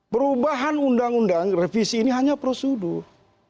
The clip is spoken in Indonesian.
perubahan undang undang revisi ini hanya prosedur